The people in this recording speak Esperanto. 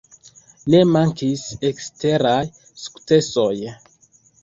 Ne mankis eksteraj sukcesoj.